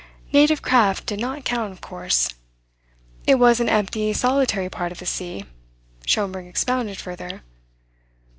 Native craft did not count, of course. It was an empty, solitary part of the sea, Schomberg expounded further.